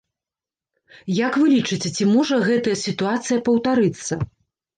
Як вы лічыце, ці можа гэтая сітуацыя паўтарыцца?